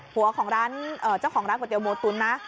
หัวของร้านเจ้าของร้านก๋วเตี๋หมูตุ๋นนะ